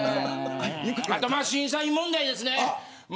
あとは審査員問題ですね。